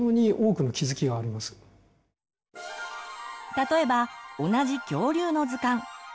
例えば同じ恐竜の図鑑。